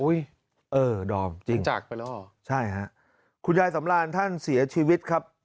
อุ๊ยจักรไปแล้วเหรอจริงใช่ครับคุณยายสำราญท่านเสียชีวิตครับ